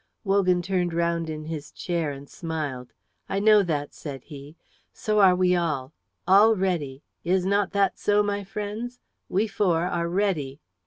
Wogan turned round in his chair and smiled. "I know that," said he. "So are we all all ready; is not that so, my friends? We four are ready."